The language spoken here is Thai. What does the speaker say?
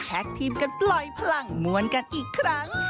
ทีมกันปล่อยพลังมวลกันอีกครั้ง